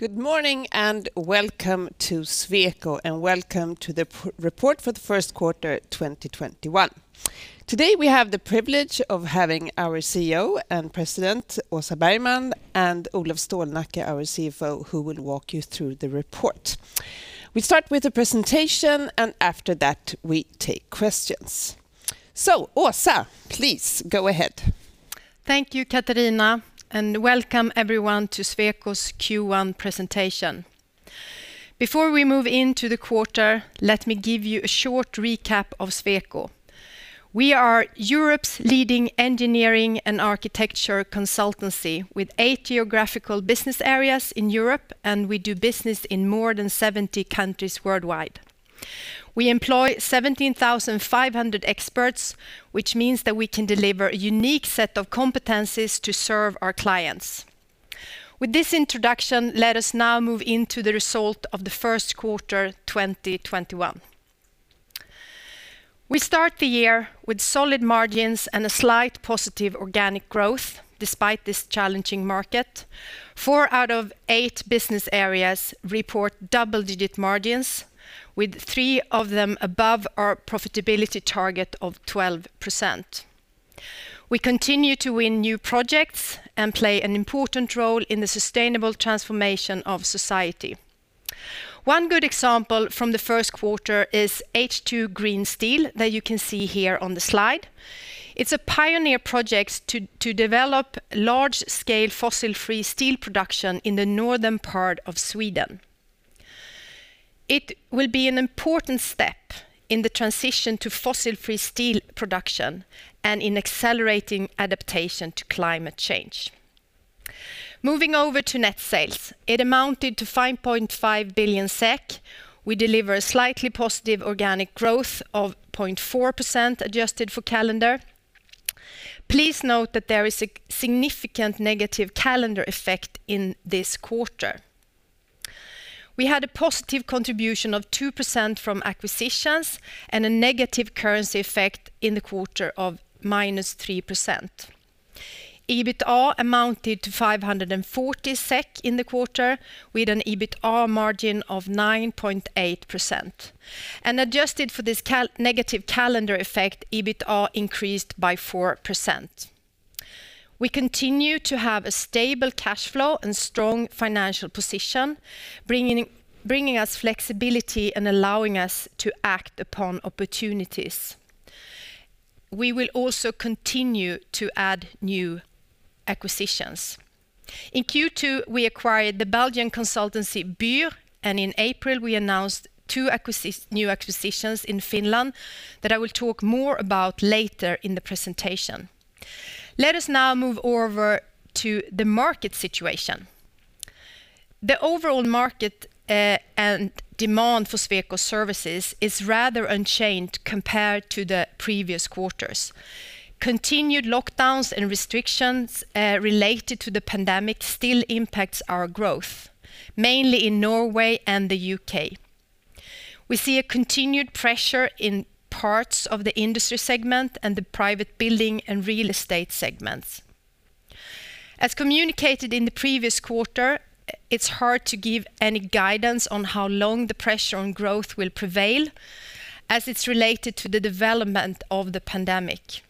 Good morning, and welcome to Sweco, and welcome to the report for the first quarter 2021. Today, we have the privilege of having our CEO and President, Åsa Bergman, and Olof Stålnacke, our CFO, who will walk you through the report. We start with the presentation, and after that, we take questions. Åsa, please go ahead. Thank you, Katarina, and welcome everyone to Sweco's Q1 presentation. Before we move into the quarter, let me give you a short recap of Sweco. We are Europe's leading engineering and architecture consultancy with eight geographical business areas in Europe, and we do business in more than 70 countries worldwide. We employ 17,500 experts, which means that we can deliver a unique set of competencies to serve our clients. With this introduction, let us now move into the result of the first quarter 2021. We start the year with solid margins and a slight positive organic growth despite this challenging market. Four out of eight business areas report double-digit margins, with three of them above our profitability target of 12%. We continue to win new projects and play an important role in the sustainable transformation of society. One good example from the first quarter is H2 Green Steel that you can see here on the slide. It's a pioneer project to develop large-scale fossil-free steel production in the northern part of Sweden. It will be an important step in the transition to fossil-free steel production and in accelerating adaptation to climate change. Moving over to net sales, it amounted to 5.5 billion SEK. We delivered a slightly positive organic growth of 0.4% adjusted for calendar. Please note that there is a significant negative calendar effect in this quarter. We had a positive contribution of 2% from acquisitions and a negative currency effect in the quarter of -3%. EBITA amounted to 540 million SEK in the quarter, with an EBITA margin of 9.8%. Adjusted for this negative calendar effect, EBITA increased by 4%. We continue to have a stable cash flow and strong financial position, bringing us flexibility and allowing us to act upon opportunities. We will also continue to add new acquisitions. In Q2, we acquired the Belgian consultancy, BUUR, and in April, we announced two new acquisitions in Finland that I will talk more about later in the presentation. Let us now move over to the market situation. The overall market, and demand for Sweco services is rather unchanged compared to the previous quarters. Continued lockdowns and restrictions, related to the pandemic still impacts our growth, mainly in Norway and the U.K. We see a continued pressure in parts of the industry segment and the private building and real estate segments. As communicated in the previous quarter, it's hard to give any guidance on how long the pressure on growth will prevail as it's related to the development of the pandemic.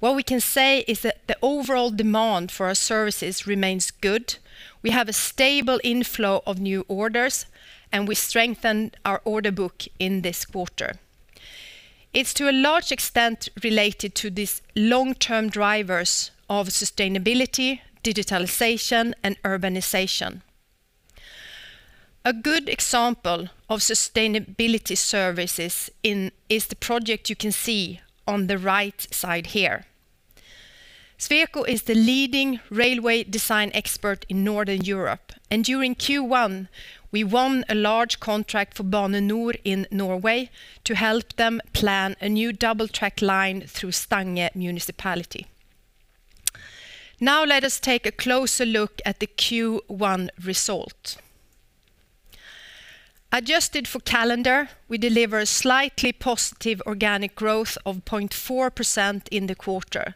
What we can say is that the overall demand for our services remains good. We have a stable inflow of new orders, and we strengthened our order book in this quarter. It's to a large extent related to these long-term drivers of sustainability, digitalization, and urbanization. A good example of sustainability services is the project you can see on the right side here. Sweco is the leading railway design expert in Northern Europe, and during Q1, we won a large contract for Bane NOR in Norway to help them plan a new double-track line through Stange Municipality. Let us take a closer look at the Q1 result. Adjusted for calendar, we deliver slightly positive organic growth of 0.4% in the quarter.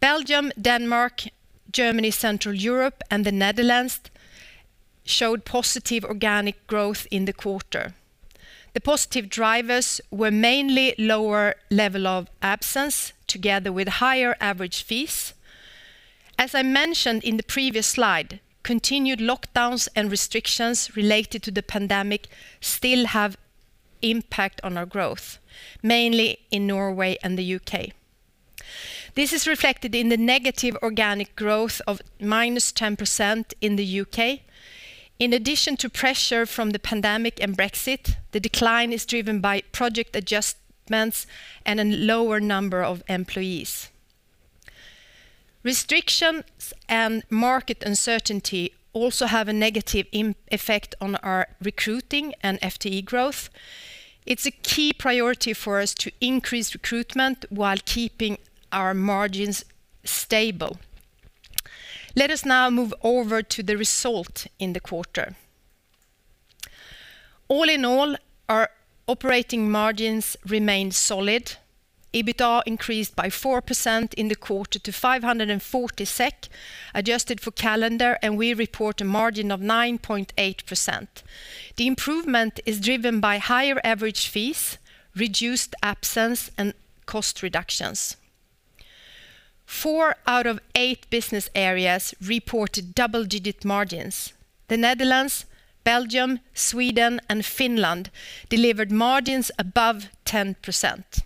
Belgium, Denmark, Germany, Central Europe, and the Netherlands showed positive organic growth in the quarter. The positive drivers were mainly lower level of absence, together with higher average fees. As I mentioned in the previous slide, continued lockdowns and restrictions related to the pandemic still have impact on our growth, mainly in Norway and the U.K. This is reflected in the negative organic growth of -10% in the U.K. In addition to pressure from the pandemic and Brexit, the decline is driven by project adjustments and a lower number of employees. Restrictions and market uncertainty also have a negative effect on our recruiting and FTE growth. It's a key priority for us to increase recruitment while keeping our margins stable. Let us now move over to the result in the quarter. All in all, our operating margins remained solid. EBITA increased by 4% in the quarter to 540 million SEK, adjusted for calendar, and we report a margin of 9.8%. The improvement is driven by higher average fees, reduced absence, and cost reductions. four out of eight business areas reported double-digit margins. The Netherlands, Belgium, Sweden, and Finland delivered margins above 10%.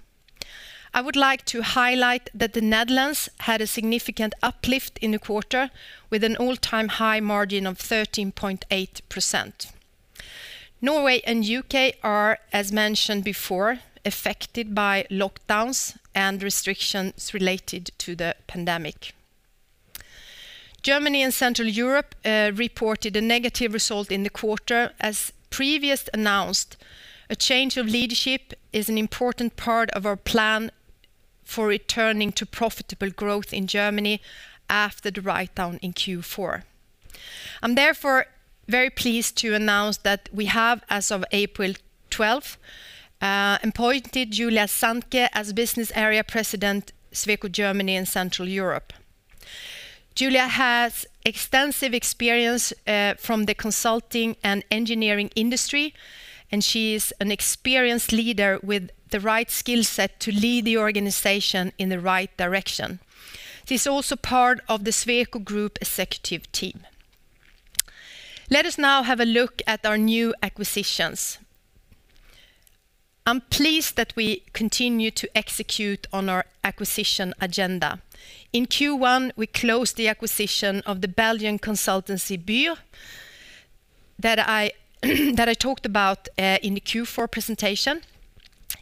I would like to highlight that the Netherlands had a significant uplift in the quarter, with an all-time high margin of 13.8%. Norway and U.K. are, as mentioned before, affected by lockdowns and restrictions related to the pandemic. Germany and Central Europe reported a negative result in the quarter. As previously announced, a change of leadership is an important part of our plan for returning to profitable growth in Germany after the write-down in Q4. I'm therefore very pleased to announce that we have, as of April 12th, appointed Julia Zantke as Business Area President, Sweco Germany and Central Europe. Julia has extensive experience from the consulting and engineering industry, and she is an experienced leader with the right skill set to lead the organization in the right direction. She's also part of the Sweco Group executive team. Let us now have a look at our new acquisitions. I'm pleased that we continue to execute on our acquisition agenda. In Q1, we closed the acquisition of the Belgian consultancy, BUUR, that I talked about in the Q4 presentation.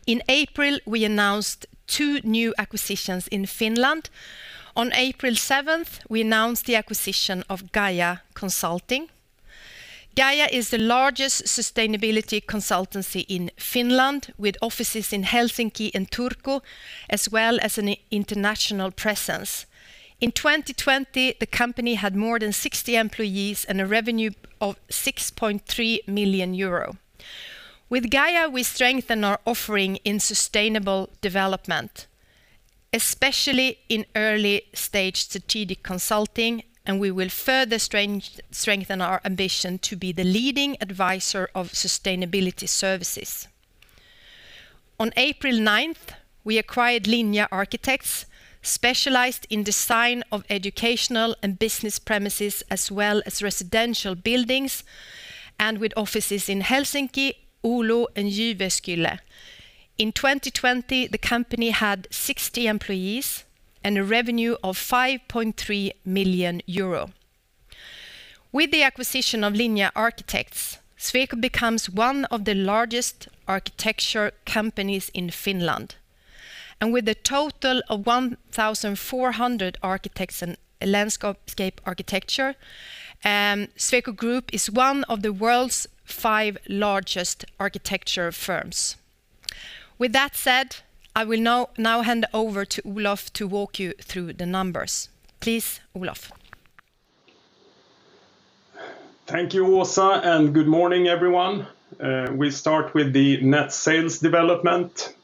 In April, we announced two new acquisitions in Finland. On April 7th, we announced the acquisition of Gaia Consulting. Gaia is the largest sustainability consultancy in Finland, with offices in Helsinki and Turku, as well as an international presence. In 2020, the company had more than 60 employees and a revenue of 6.3 million euro. With Gaia, we strengthen our offering in sustainable development, especially in early-stage strategic consulting, and we will further strengthen our ambition to be the leading advisor of sustainability services. On April 9th, we acquired Linja Architects, specialized in design of educational and business premises, as well as residential buildings, and with offices in Helsinki, Oulu, and Jyväskylä. In 2020, the company had 60 employees and a revenue of 5.3 million euro. With the acquisition of Linja Architects, Sweco becomes one of the largest architecture companies in Finland, and with a total of 1,400 architects in landscape architecture, Sweco Group is one of the world's five largest architecture firms. With that said, I will now hand over to Olof to walk you through the numbers. Please, Olof. Thank you, Åsa. Good morning, everyone. We start with the net sales development.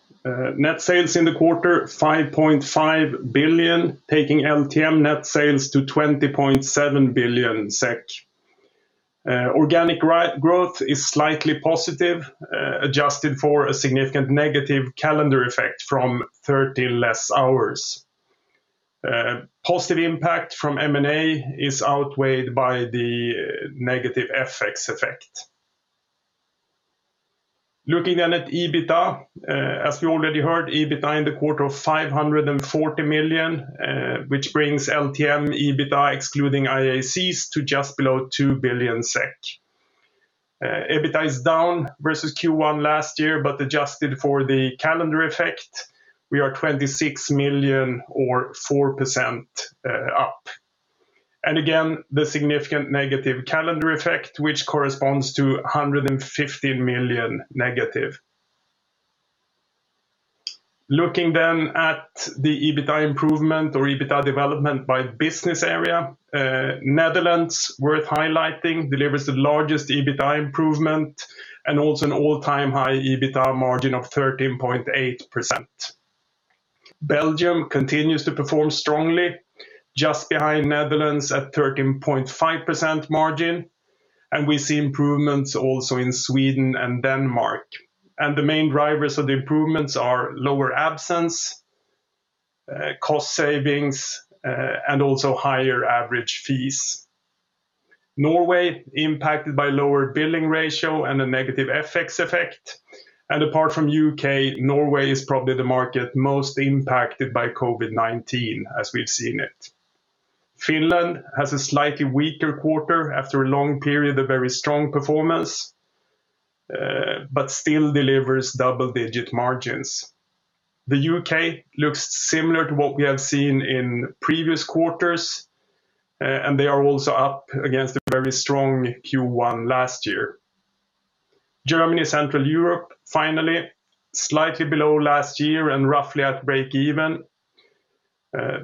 Net sales in the quarter, 5.5 billion, taking LTM net sales to 20.7 billion SEK. Organic growth is slightly positive, adjusted for a significant negative calendar effect from 30 less hours. Positive impact from M&A is outweighed by the negative FX effect. Looking at EBITA, as we already heard, EBITA in the quarter of 540 million, which brings LTM EBITA excluding IACs to just below 2 billion SEK. EBITA is down versus Q1 last year, but adjusted for the calendar effect, we are 26 million or 4% up. Again, the significant negative calendar effect, which corresponds to 150 million negative. Looking at the EBITA improvement or EBITA development by business area. Netherlands, worth highlighting, delivers the largest EBITA improvement and also an all-time high EBITA margin of 13.8%. Belgium continues to perform strongly, just behind Netherlands at 13.5% margin, and we see improvements also in Sweden and Denmark. The main drivers of the improvements are lower absence, cost savings, and also higher average fees. Norway impacted by lower billing ratio and a negative FX effect. Apart from U.K., Norway is probably the market most impacted by COVID-19 as we've seen it. Finland has a slightly weaker quarter after a long period of very strong performance, but still delivers double-digit margins. The U.K. looks similar to what we have seen in previous quarters, and they are also up against a very strong Q1 last year. Germany, Central Europe, finally, slightly below last year and roughly at break even.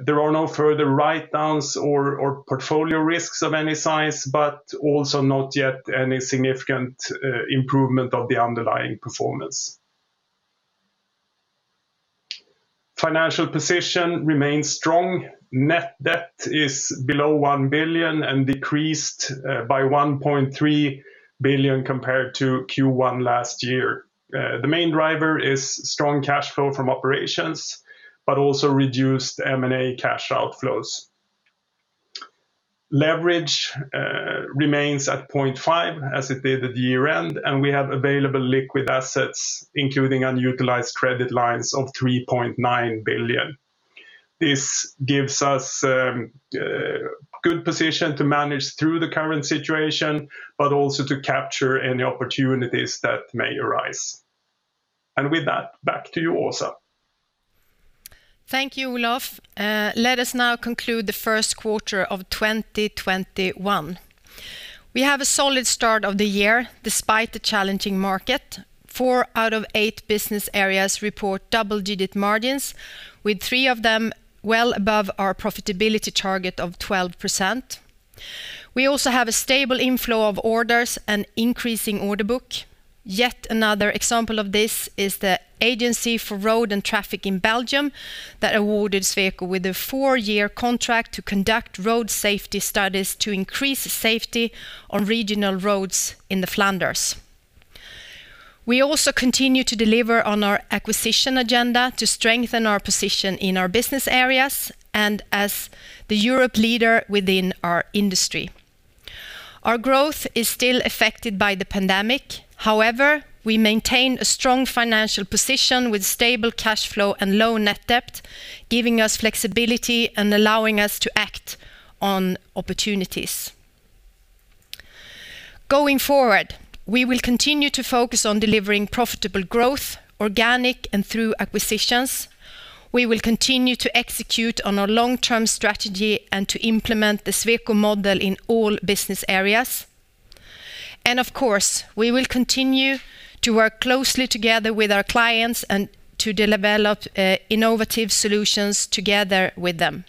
There are no further write-downs or portfolio risks of any size, but also not yet any significant improvement of the underlying performance. Financial position remains strong. Net debt is below 1 billion and decreased by 1.3 billion compared to Q1 last year. The main driver is strong cash flow from operations, also reduced M&A cash outflows. Leverage remains at 0.5, as it did at the year-end, we have available liquid assets, including unutilized credit lines of 3.9 billion. This gives us a good position to manage through the current situation, but also to capture any opportunities that may arise. With that, back to you, Åsa. Thank you, Olof. Let us now conclude the first quarter of 2021. We have a solid start of the year, despite the challenging market. Four out of eight business areas report double-digit margins, with three of them well above our profitability target of 12%. We also have a stable inflow of orders and increasing order book. Yet another example of this is the Agency for Roads and Traffic in Belgium, that awarded Sweco with a four-year contract to conduct road safety studies to increase safety on regional roads in the Flanders. We also continue to deliver on our acquisition agenda to strengthen our position in our business areas and as the Europe leader within our industry. Our growth is still affected by the pandemic. However, we maintain a strong financial position with stable cash flow and low net debt, giving us flexibility and allowing us to act on opportunities. Going forward, we will continue to focus on delivering profitable growth, organic and through acquisitions. We will continue to execute on our long-term strategy and to implement the Sweco model in all business areas. Of course, we will continue to work closely together with our clients and to develop innovative solutions together with them.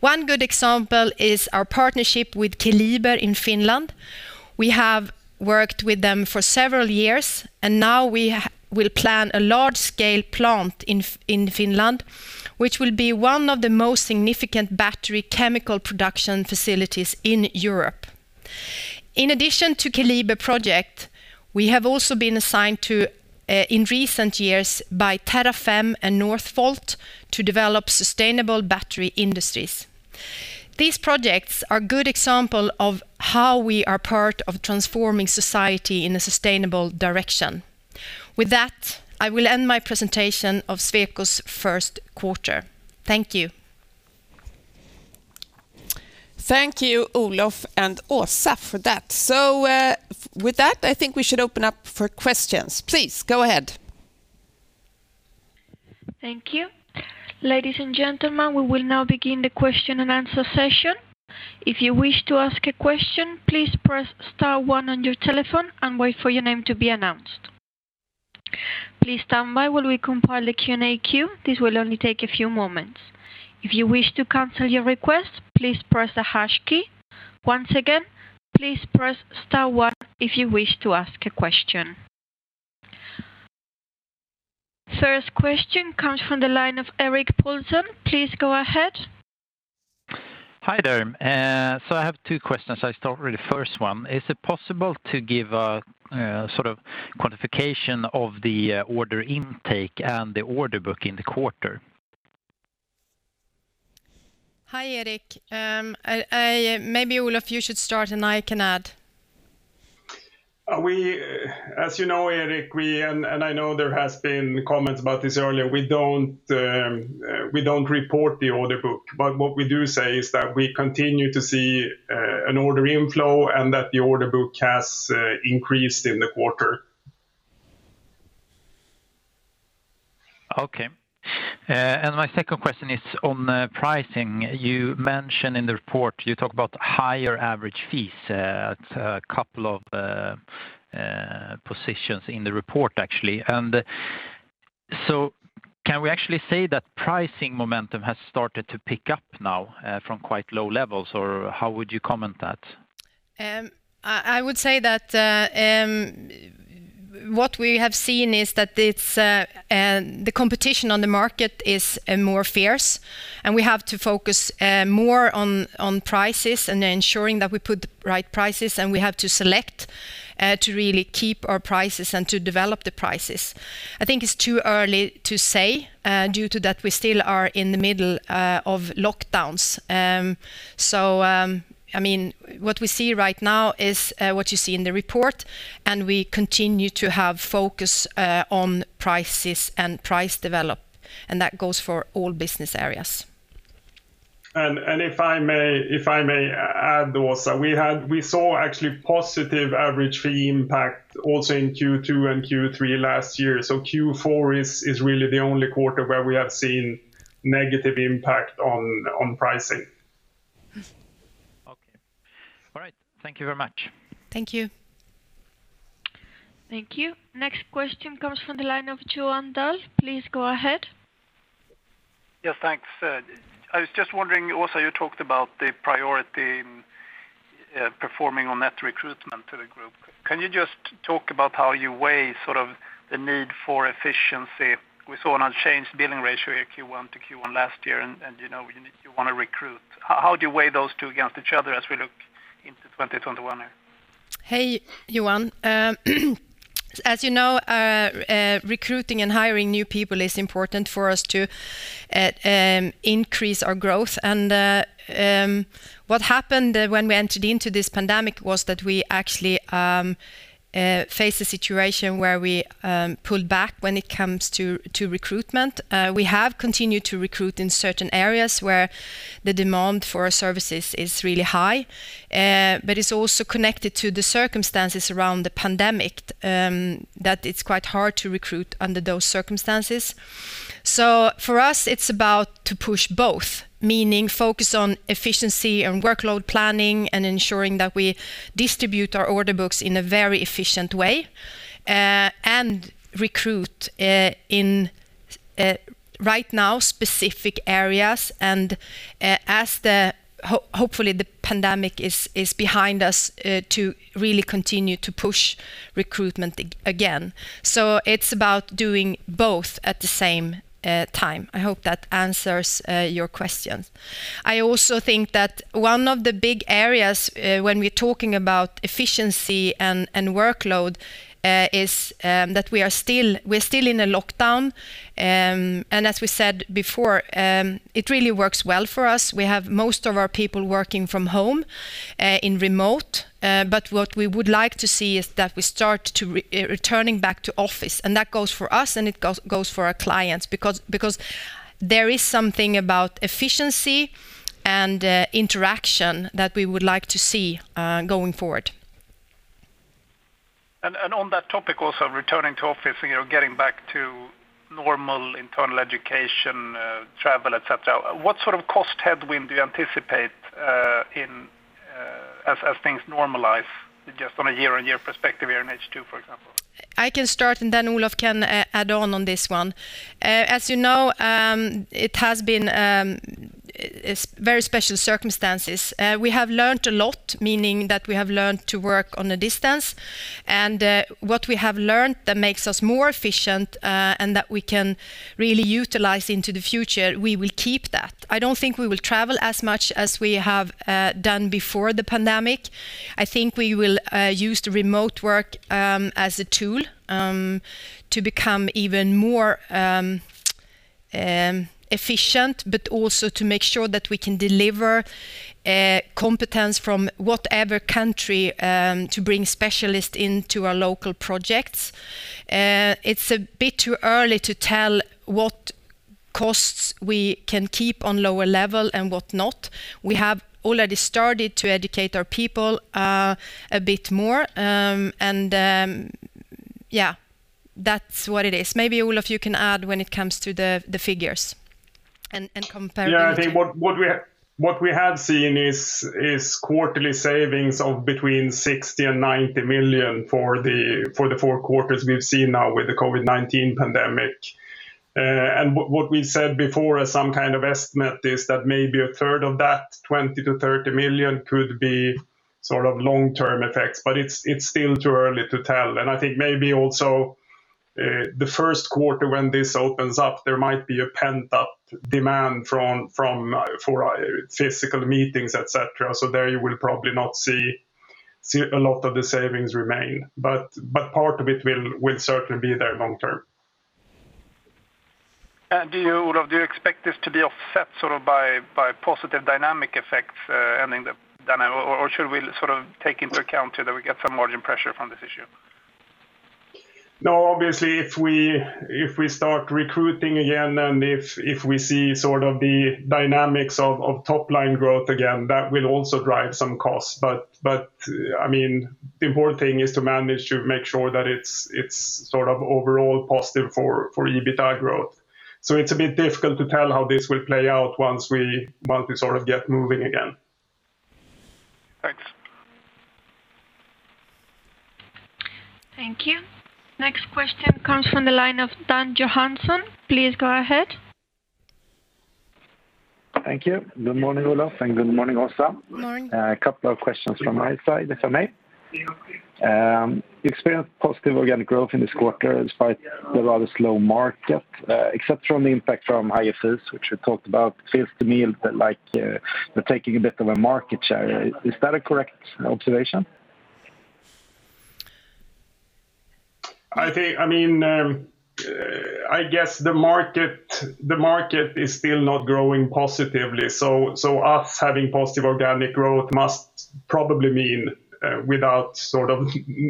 One good example is our partnership with Keliber in Finland. We have worked with them for several years, and now we will plan a large-scale plant in Finland, which will be one of the most significant battery chemical production facilities in Europe. In addition to Keliber project, we have also been assigned to, in recent years, by Terrafame and Northvolt to develop sustainable battery industries. These projects are a good example of how we are part of transforming society in a sustainable direction. With that, I will end my presentation of Sweco's first quarter. Thank you. Thank you, Olof and Åsa, for that. With that, I think we should open up for questions. Please, go ahead. Thank you. Ladies and gentlemen, we will now begin the question and answer session. If you wish to ask a question, please press star one on your telephone and wait for your name to be announced. Please stand by while we compile the Q&A queue. This will only take a few moments. If you wish to cancel your request, please press the hash key. Once again, please press star one if you wish to ask a question. First question comes from the line of Erik Paulsson. Please go ahead. Hi there. I have two questions. I start with the first one. Is it possible to give a sort of quantification of the order intake and the order book in the quarter? Hi, Erik. Maybe, Olof, you should start, and I can add. As you know, Erik, and I know there has been comments about this earlier, we don't report the order book. What we do say is that we continue to see an order inflow and that the order book has increased in the quarter. Okay. My second question is on pricing. You mention in the report, you talk about higher average fees at a couple of positions in the report, actually. Can we actually say that pricing momentum has started to pick up now from quite low levels? How would you comment that? I would say that what we have seen is that the competition on the market is more fierce, and we have to focus more on prices and ensuring that we put the right prices, and we have to select to really keep our prices and to develop the prices. I think it's too early to say due to that we still are in the middle of lockdowns. What we see right now is what you see in the report, and we continue to have focus on prices and price develop. That goes for all business areas. If I may add, Åsa, we saw actually positive average fee impact also in Q2 and Q3 last year. Q4 is really the only quarter where we have seen negative impact on pricing. Okay. All right. Thank you very much. Thank you. Thank you. Next question comes from the line of Johan Dahl. Please go ahead. Yes, thanks. I was just wondering, Åsa, you talked about the priority in performing on net recruitment to the group. Can you just talk about how you weigh the need for efficiency? We saw an unchanged billing ratio in Q1 to Q1 last year, and you want to recruit. How do you weigh those two against each other as we look into 2021? Hey, Johan. As you know, recruiting and hiring new people is important for us to increase our growth. What happened when we entered into this pandemic was that we actually faced a situation where we pulled back when it comes to recruitment. We have continued to recruit in certain areas where the demand for our services is really high. It's also connected to the circumstances around the pandemic, that it's quite hard to recruit under those circumstances. For us, it's about to push both, meaning focus on efficiency and workload planning and ensuring that we distribute our order books in a very efficient way, and recruit in, right now, specific areas. As, hopefully, the pandemic is behind us, to really continue to push recruitment again. It's about doing both at the same time. I hope that answers your questions. I also think that one of the big areas when we're talking about efficiency and workload is that we're still in a lockdown. As we said before, it really works well for us. We have most of our people working from home, in remote. What we would like to see is that we start returning back to office, and that goes for us, and it goes for our clients. There is something about efficiency and interaction that we would like to see going forward. On that topic also, returning to office, getting back to normal internal education, travel, et cetera, what sort of cost headwind do you anticipate as things normalize just on a year-on-year perspective here in H2, for example? I can start, then Olof can add on on this one. As you know, it has been very special circumstances. We have learned a lot, meaning that we have learned to work on a distance. What we have learned that makes us more efficient, and that we can really utilize into the future, we will keep that. I don't think we will travel as much as we have done before the pandemic. I think we will use the remote work as a tool to become even more efficient, but also to make sure that we can deliver competence from whatever country to bring specialists into our local projects. It's a bit too early to tell what costs we can keep on lower level and what not. We have already started to educate our people a bit more, and yeah, that's what it is. Maybe, Olof, you can add when it comes to the figures and comparing it. Yeah, I think what we have seen is quarterly savings of between 60 million and 90 million for the four quarters we've seen now with the COVID-19 pandemic. What we said before as some kind of estimate is that maybe a third of that, 20 million to 30 million, could be long-term effects, it's still too early to tell. I think maybe also the first quarter when this opens up, there might be a pent-up demand for physical meetings, et cetera. There you will probably not see a lot of the savings remain. Part of it will certainly be there long term. Do you, Olof, expect this to be offset by positive dynamic effects or should we take into account that we get some margin pressure from this issue? Obviously, if we start recruiting again, and if we see the dynamics of top-line growth again, that will also drive some costs. The important thing is to manage to make sure that it's overall positive for EBITA growth. It's a bit difficult to tell how this will play out once we get moving again. Thanks. Thank you. Next question comes from the line of Dan Johansson. Please go ahead. Thank you. Good morning, Olof, and good morning, Åsa. Good morning. A couple of questions from my side, if I may. You experienced positive organic growth in this quarter despite the rather slow market. Except from the impact from IFS, which we talked about, it feels to me a bit like we're taking a bit of a market share. Is that a correct observation? I guess the market is still not growing positively, so us having positive organic growth must probably mean, without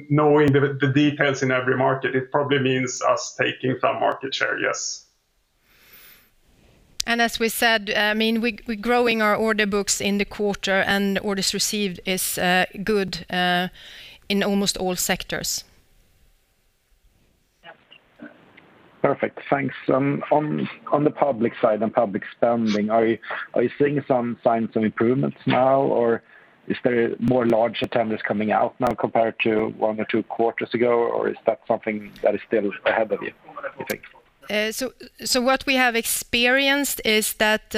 knowing the details in every market, it probably means us taking some market share, yes. As we said, we're growing our order books in the quarter, and orders received is good in almost all sectors. Perfect. Thanks. On the public side and public spending, are you seeing some signs of improvements now, or is there more large tenders coming out now compared to one or two quarters ago? Is that something that is still ahead of you think? What we have experienced is that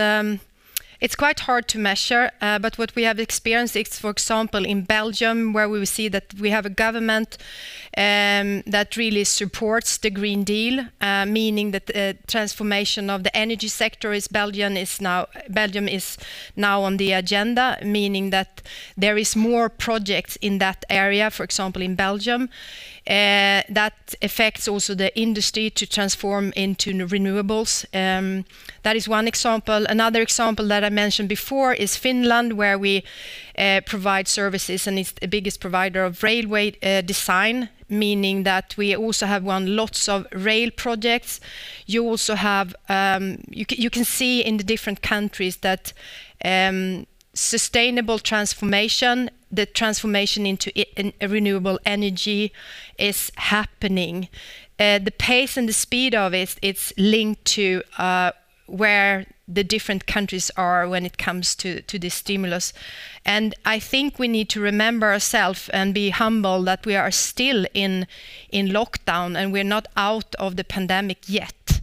it's quite hard to measure. What we have experienced, for example, in Belgium, where we see that we have a government that really supports the Green Deal, meaning that the transformation of the energy sector is now on the agenda, meaning that there is more projects in that area, for example, in Belgium, that affects also the industry to transform into renewables. That is one example. Another example that I mentioned before is Finland, where we provide services and it's the biggest provider of railway design, meaning that we also have won lots of rail projects. You can see in the different countries that sustainable transformation, the transformation into a renewable energy is happening. The pace and the speed of it's linked to where the different countries are when it comes to the stimulus. I think we need to remember ourselves and be humble that we are still in lockdown, and we're not out of the pandemic yet.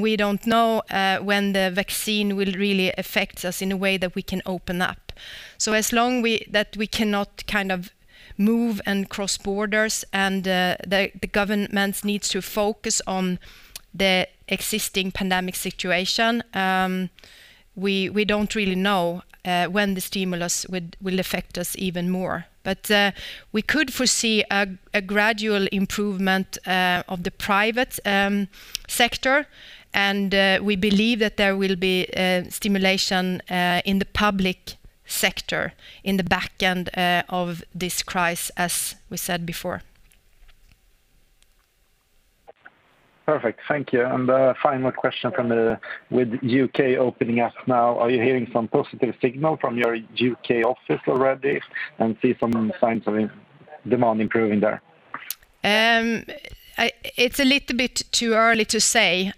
We don't know when the vaccine will really affect us in a way that we can open up. As long that we cannot move and cross borders and the governments need to focus on the existing pandemic situation, we don't really know when the stimulus will affect us even more. We could foresee a gradual improvement of the private sector, and we believe that there will be stimulation in the public sector, in the back end of this crisis, as we said before. Perfect. Thank you. Final question. With U.K. opening up now, are you hearing some positive signal from your U.K. office already and see some signs of demand improving there? It's a little bit too early to say,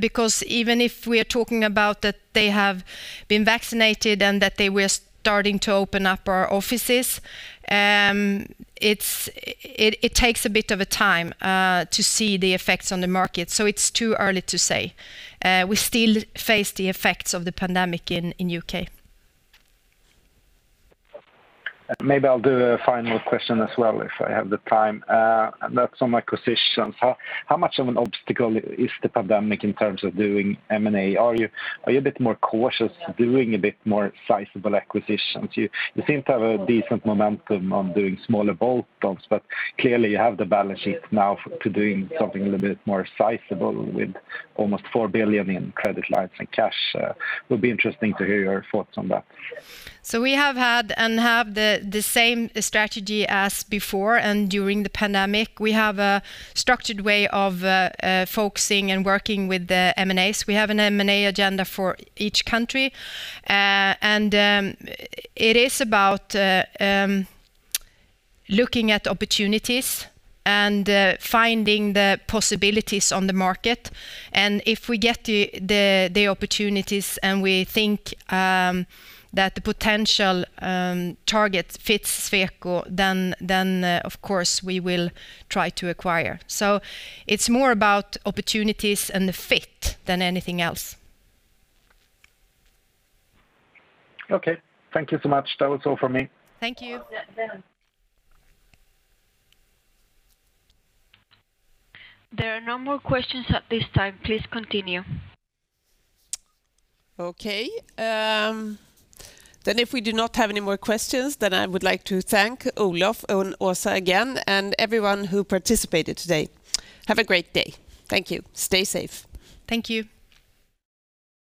because even if we are talking about that they have been vaccinated and that they were starting to open up our offices, it takes a bit of a time to see the effects on the market. It's too early to say. We still face the effects of the pandemic in U.K. Maybe I'll do a final question as well, if I have the time. That's on acquisitions. How much of an obstacle is the pandemic in terms of doing M&A? Are you a bit more cautious doing a bit more sizable acquisitions? You seem to have a decent momentum on doing smaller bolt-ons, but clearly you have the balance sheet now to doing something a little bit more sizable with almost 4 billion in credit lines and cash. It would be interesting to hear your thoughts on that. We have had and have the same strategy as before and during the pandemic. We have a structured way of focusing and working with the M&As. We have an M&A agenda for each country. It is about looking at opportunities and finding the possibilities on the market. If we get the opportunities and we think that the potential target fits Sweco, of course we will try to acquire. It's more about opportunities and the fit than anything else. Okay. Thank you so much. That was all from me. Thank you. There are no more questions at this time. Please continue. Okay. If we do not have any more questions, I would like to thank Olof and Åsa again and everyone who participated today. Have a great day. Thank you. Stay safe. Thank you.